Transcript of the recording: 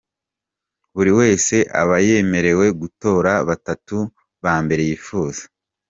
Buri wese aba yemerewe gutora batatu ba mbere yifuza.